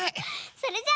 それじゃあ。